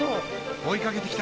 追い掛けて来た。